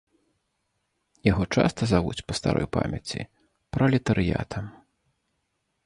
Яго часта завуць па старой памяці пралетарыятам.